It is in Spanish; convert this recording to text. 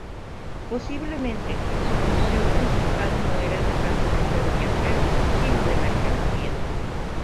Posiblemente, su función principal no era el transporte de viajeros sino de mercancías.